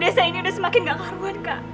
desa ini udah semakin gak karbon kak